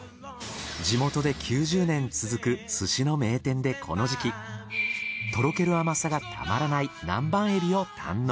地元で９０年続く寿司の名店でこの時期とろける甘さがたまらない南蛮エビを堪能。